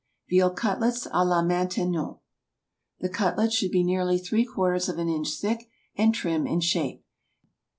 VEAL CUTLETS À LA MAINTENON. The cutlets should be nearly three quarters of an inch thick, and trim in shape.